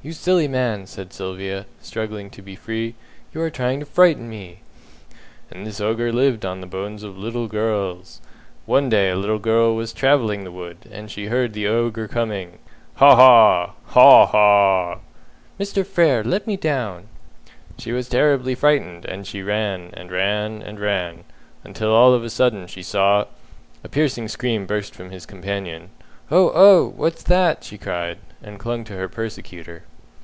"You silly man!" said Sylvia, struggling to be free. "You are trying to frighten me!" "And this Ogre lived on the bones of little girls. One day a little girl was travelling the wood, and she heard the Ogre coming. 'Haw! haw! Haw! haw!'" "Mr. Frere, let me down!" "She was terribly frightened, and she ran, and ran, and ran, until all of a sudden she saw " A piercing scream burst from his companion. "Oh! oh! What's that?" she cried, and clung to her persecutor.